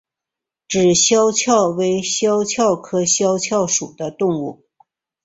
脂肖峭为肖峭科肖峭属的动物。